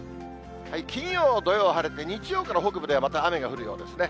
金曜、土曜は晴れて、日曜から北部ではまた雨が降るようですね。